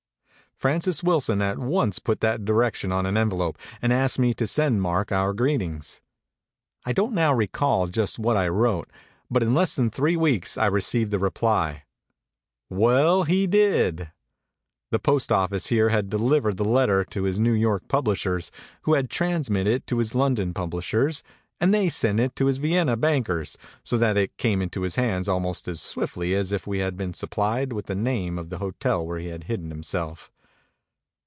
Francis Wilson at once put that direction on an envelope and asked me to send Mark our greetings. I don't now recall just what I wrote, but in less than three weeks, I received the reply, "Well, He did!" The post office here had delivered the letter to his New York publishers, who had transmitted it to his London publishers; and they had sent it to his Vienna bankers, so that it came into his hands almost as swiftly as if we had been supplied with the name of the hotel where he had hidden himself.